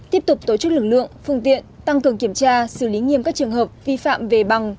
tiếp tục tổ chức lực lượng phương tiện tăng cường kiểm tra xử lý nghiêm các trường hợp vi phạm về bằng